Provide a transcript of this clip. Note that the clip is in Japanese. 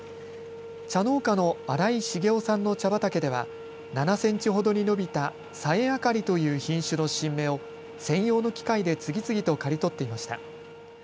茶農家の新井重雄さんの茶畑では７センチほどに伸びたさえあかりという品種の新芽を専用の機械で次々と刈り取っていました。